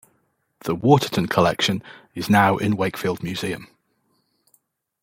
The Waterton Collection is now in Wakefield Museum.